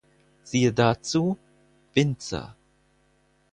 Siehe dazu "Winzer".